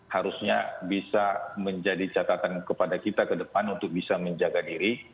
harusnya bisa menjadi catatan kepada kita ke depan untuk bisa menjaga diri